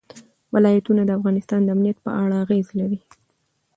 ولایتونه د افغانستان د امنیت په اړه اغېز لري.